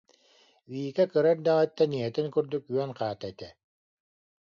Вика кыра эрдэҕиттэн ийэтин курдук үөн хаата этэ